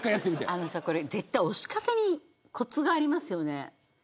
絶対押し方にコツがありますよね。